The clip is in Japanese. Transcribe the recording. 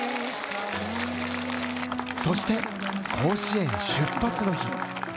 そして、甲子園出発の日。